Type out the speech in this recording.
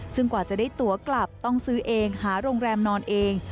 ซึ่งกว่าจะได้ตัวกลับต้องซื้อเองหาโรงแรมนอนเอง